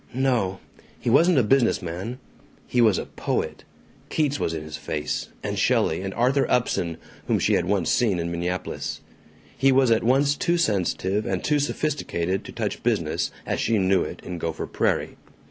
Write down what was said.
No. He wasn't a business man. He was a poet. Keats was in his face, and Shelley, and Arthur Upson, whom she had once seen in Minneapolis. He was at once too sensitive and too sophisticated to touch business as she knew it in Gopher Prairie.